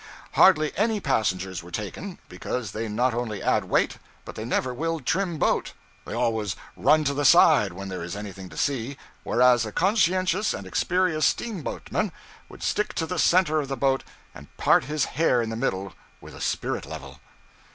Hardly any passengers were taken, because they not only add weight but they never will 'trim boat.' They always run to the side when there is anything to see, whereas a conscientious and experienced steamboatman would stick to the center of the boat and part his hair in the middle with a spirit level.